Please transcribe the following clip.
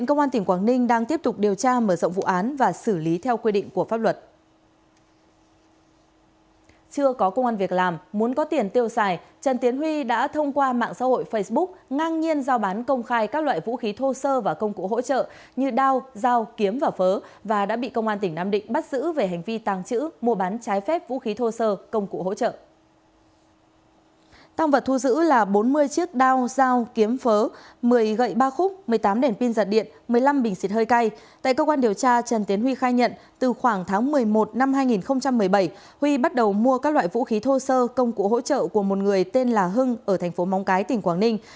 năm hai nghìn một mươi bảy huy bắt đầu mua các loại vũ khí thô sơ công cụ hỗ trợ của một người tên là hưng ở thành phố móng cái tỉnh quảng ninh